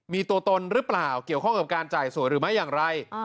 มีตัวตนหรือเปล่าเกี่ยวข้องกับการจ่ายสวยหรือไม่อย่างไร